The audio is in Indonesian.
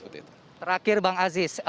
terakhir bang aziz